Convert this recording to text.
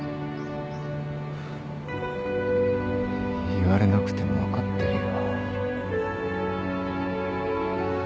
言われなくても分かってるよ。